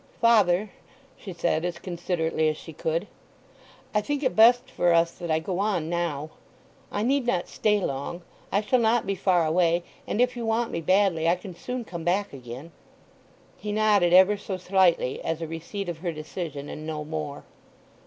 "Father," she said, as considerately as she could, "I think it best for us that I go on now. I need not stay long; I shall not be far away, and if you want me badly I can soon come back again." He nodded ever so slightly, as a receipt of her decision and no more.